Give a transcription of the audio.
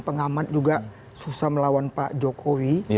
pengamat juga susah melawan pak jokowi